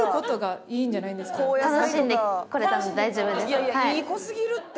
「いやいやいい子すぎるって！」